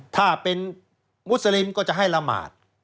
ถ้าเป็นมุสลิมก็จะให้ละหมาด